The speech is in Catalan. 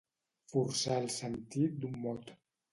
Forçar el sentit d'un mot.